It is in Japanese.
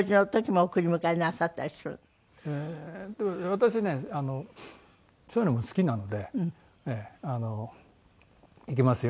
私ねそういうのも好きなので行きますよ